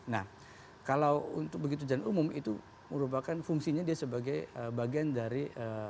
nah kalau untuk begitu jalan umum itu merupakan fungsinya dia sebagai bagian dari